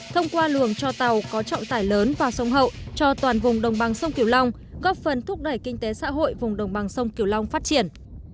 thông qua lường cho tàu có trọng tải lớn vào sông hậu cho toàn vùng đồng bằng sông kiều long góp phần thúc đẩy kinh tế xã hội vùng đồng bằng sông kiều long phát triển